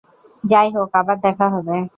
যাই হোক, আবার দেখা হবে।